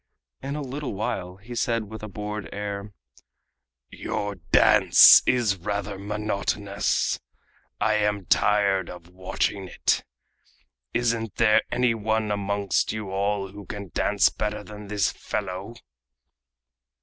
In a little while he said with a bored air: "Your dance is rather monotonous. I am tired of watching it. Isn't there any one amongst you all who can dance better than this fellow?"